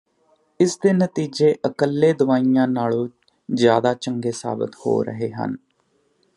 ਇਸ ਦੇ ਨਤੀਜੇ ਇਕੱਲੇ ਦਵਾਈਆਂ ਨਾਲੋਂ ਜ਼ਿਆਦਾ ਚੰਗੇ ਸਾਬਤ ਹੋ ਰਹੇ ਹਨ